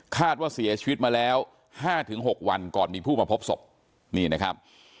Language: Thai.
ว่าเสียชีวิตมาแล้ว๕๖วันก่อนมีผู้มาพบศพนี่นะครับ